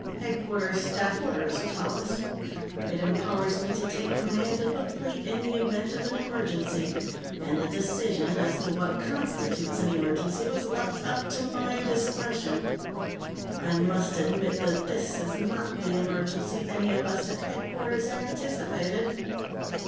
"Headquarters Staff Orders, Tallis. It empowers me to take command of the Fleet in the event of an emergency, and the decision as to what constitutes an emergency was left up to my discretion. I must admit that this is not the emergency any of us at Headquarters anticipated."